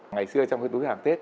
ngày xưa trong cái túi hàng tết